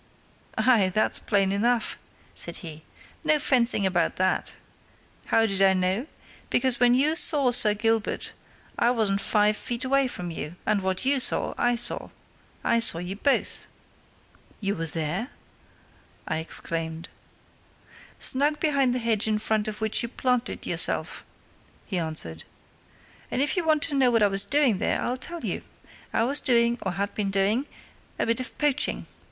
"Aye, that's plain enough," said he. "No fencing about that! How did I know? Because when you saw Sir Gilbert I wasn't five feet away from you, and what you saw, I saw. I saw you both!" "You were there?" I exclaimed. "Snug behind the hedge in front of which you planted yourself," he answered. "And if you want to know what I was doing there, I'll tell you. I was doing or had been doing a bit of poaching.